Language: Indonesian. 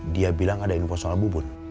dia bilang ada info soal bubur